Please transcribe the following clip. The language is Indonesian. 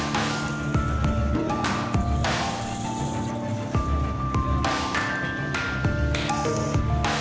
silakan kami sediakan